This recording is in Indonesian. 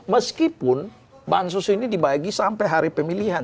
meskipun bansos ini dibagi sampai hari pemilihan